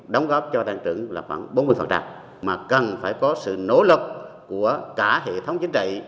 đóng góp cho tăng trưởng là khoảng bốn mươi mà cần phải có sự nỗ lực của cả hệ thống chính trị